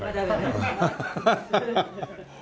ハハハハッ。